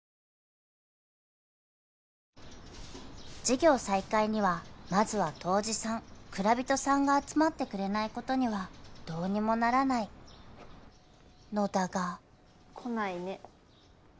［事業再開にはまずは杜氏さん蔵人さんが集まってくれないことにはどうにもならないのだが］来ないね。